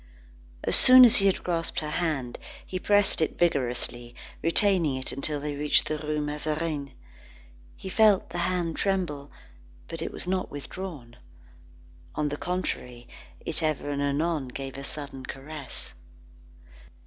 As soon as he had grasped her hand, he pressed it vigorously, retaining it until they reached the Rue Mazarine. He felt the hand tremble; but it was not withdrawn. On the contrary it ever and anon gave a sudden caress.